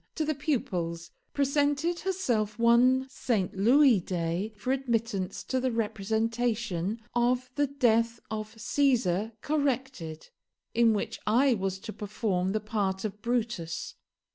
to the pupils, presented herself one Saint Louis day for admittance to the representation of the 'Death of Caesar, corrected', in which I was to perform the part of Brutus.